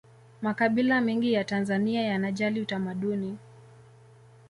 makabila mengi ya tanzania yanajali utamaduni